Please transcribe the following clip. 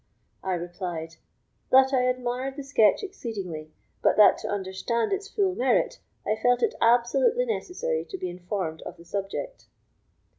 I replied: "That I admired the sketch exceedingly; but that to understand its full merit, I felt it absolutely necessary to be informed of the subject."